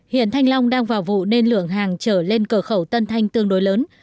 hiện thanh long đang vào vụ nên lượng hàng trở lên cửa khẩu tân thanh tương đối lớn